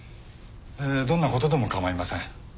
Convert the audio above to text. どんな事でも構いません。